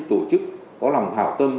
tổ chức có lòng hảo tâm